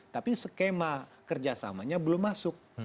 tapi skema kerjasamanya belum masuk